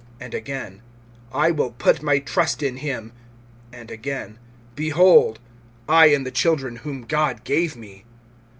(13)And again: I will put my trust in him. And again: Behold, I and the children whom God gave me.